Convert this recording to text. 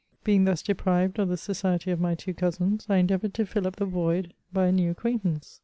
* Being thus deprived of the society of my two cousins, I endeavoured to fill up the void by a new acquantance.